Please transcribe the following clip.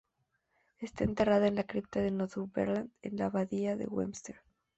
Está enterrada en la Cripta de Northumberland, en la Abadía de Westminster.